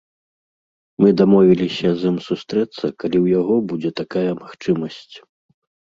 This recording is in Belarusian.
Мы дамовіліся з ім сустрэцца, калі ў яго будзе такая магчымасць.